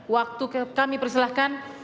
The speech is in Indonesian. waktu kami persilahkan